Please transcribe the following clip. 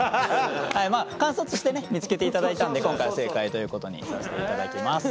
まあ観察して見つけていただいたんで今回は正解ということにさせていただきます。